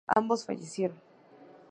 Ambos fallecieron.